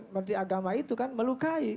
ngerti agama itu kan melukai